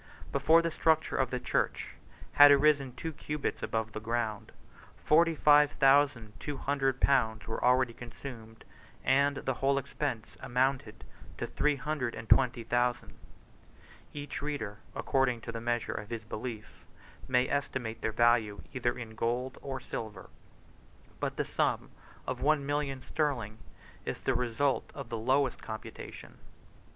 Before the structure of the church had arisen two cubits above the ground, forty five thousand two hundred pounds were already consumed; and the whole expense amounted to three hundred and twenty thousand: each reader, according to the measure of his belief, may estimate their value either in gold or silver; but the sum of one million sterling is the result of the lowest computation.